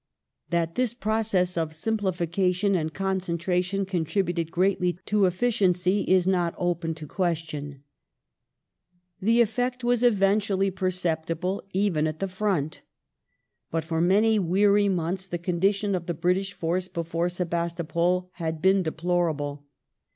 That this process of simplification and concentration contributed greatly to efficiency is not open to question. The effect was eventually perceptible even at the front. But Siege of for many weary months the condition of the British force before ^^^^°" Sebastopol had been deplorable.